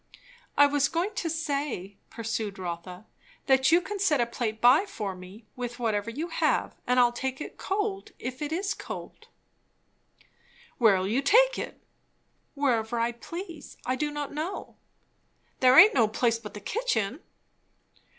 "I was going to say," pursued Rotha, "that you can set by a plate for me with whatever you have, and I'll take it cold if it is cold." "Where'll you take it?" "Wherever I please. I do not know." "There aint no place but the kitchen."